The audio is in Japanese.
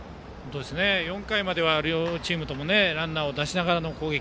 ４回までは両チームともランナーを出しながらの攻撃。